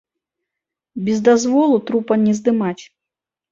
Без дазволу трупа не здымаць.